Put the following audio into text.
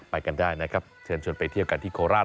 ไปกันได้นะครับเชิญชวนไปเที่ยวกันที่โคราช